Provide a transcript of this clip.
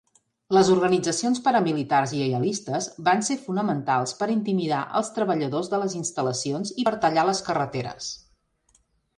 Les organitzacions paramilitars lleialistes van ser fonamentals per intimidar els treballadors de les instal·lacions i per tallar les carreteres.